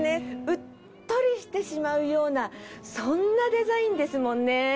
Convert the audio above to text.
うっとりしてしまうようなそんなデザインですもんね。